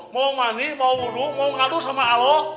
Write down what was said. mau mani mau urut mau ngadu sama alo